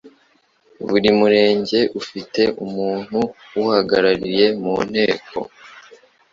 buri murenge ufite umuntu uwuhagarariye munteko